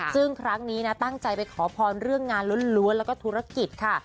ซึ่งครั้งนี้นะตั้งใจไปขอพรเรื่องงานล้วนแล้วก็ธุรกิจค่ะ